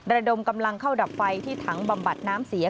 ระดมกำลังเข้าดับไฟที่ถังบำบัดน้ำเสีย